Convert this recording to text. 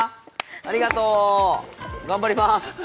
ありがとう、頑張ります！